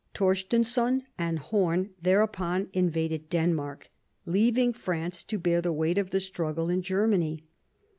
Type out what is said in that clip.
Torstenson and Horn thereupon invaded Denmark, leaving France to bear the weight of the struggle in Germany.